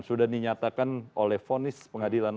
sudah dinyatakan oleh fonis pengadilan